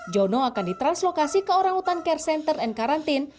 jono akan ditranslokasi ke orangutan care center and quarantine